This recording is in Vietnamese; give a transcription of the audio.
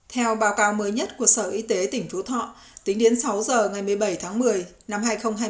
theo báo cáo mới nhất của sở y tế tỉnh phú thọ tính đến sáu giờ ngày một mươi bảy tháng một mươi năm hai nghìn hai mươi ba